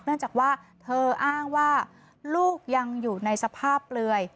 เนื่องจากว่าเธออ้างว่าลูกยังอยู่ในสภาพเปลือย